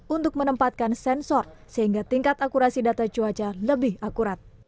untuk menempatkan sensor sehingga tingkat akurasi data cuaca lebih akurat